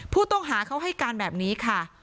ผู้ต้องหาเขาให้การแบบนี้ค่ะ